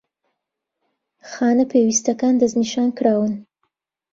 خانە پێویستەکان دەستنیشانکراون